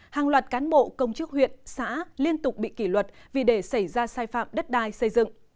hàng loạt cán bộ công chức huyện xã liên tục bị kỷ luật vì để xảy ra sai phạm đất đai xây dựng